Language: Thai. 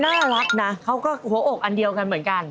น่ารักนะเขาก็หัวอกอันเดียวกันเหมือนกัน